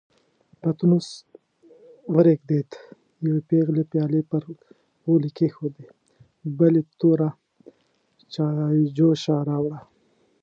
پتنوس ورېږدېد، يوې پېغلې پيالې پر غولي کېښودې، بلې توره چايجوشه راوړه.